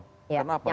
kenapa dia mengaburkan